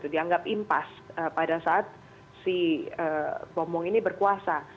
dianggap impas pada saat si bomong ini berkuasa